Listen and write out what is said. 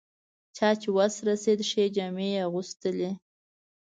چا چې وس رسېد ښې جامې یې اغوستلې.